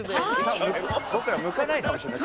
ボクら向かないかもしれない。